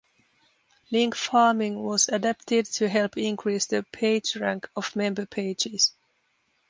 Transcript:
Link farming was adapted to help increase the PageRank of member pages.